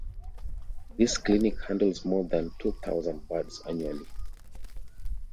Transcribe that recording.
This clinic handles more than two thousand birds annually.